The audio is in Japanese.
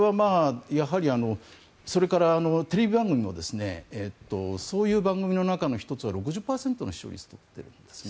それからテレビ番組もそういう番組の中の１つは６０％の視聴率を取っているんですね。